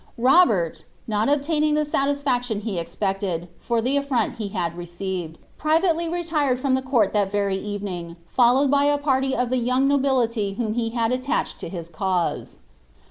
Robert, not obtaining the attisraMion he expected, for the afTroiit hr had received, privaicly retired from ihe conn thai Tery evening. foUoiral by a pnriy of the youn^ nobility whom he had atlarhed to his cause.'